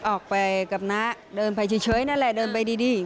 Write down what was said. ออกไปกับน้าเดินไปเฉยนั่นแหละเดินไปดี